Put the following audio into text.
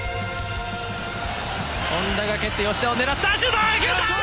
本田が蹴って吉田を狙ったシュート！